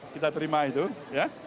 kita terima itu ya